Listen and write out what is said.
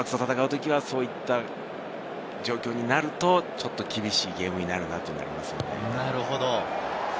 オールブラックスと戦うときは、そういった状況になると、ちょっと厳しいゲームになるなというのがありますね。